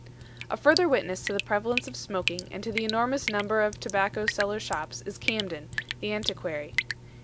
A further witness to the prevalence of smoking and to the enormous number of tobacco sellers' shops is Camden, the antiquary.